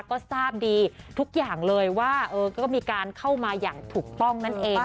ก็ทราบดีทุกอย่างเลยว่าก็มีการเข้ามาอย่างถูกต้องนั่นเอง